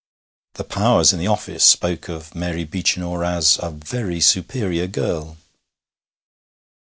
The powers in the office spoke of Mary Beechinor as 'a very superior girl.'